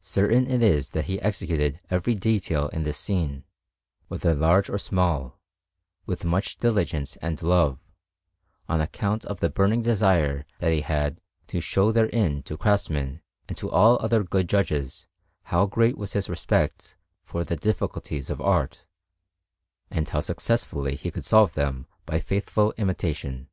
Certain it is that he executed every detail in this scene, whether large or small, with much diligence and love, on account of the burning desire that he had to show therein to craftsmen and to all other good judges how great was his respect for the difficulties of art, and how successfully he could solve them by faithful imitation.